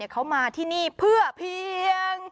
เขามาที่นี่เพื่อเพียง